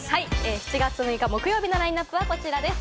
７月６日木曜日のラインナップはこちらです。